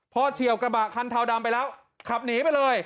พอเฉียวกระบะคันเทาดำไปแล้วขับหนีไปเลย